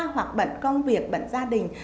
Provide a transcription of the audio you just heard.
hoặc bận công việc bận gia đình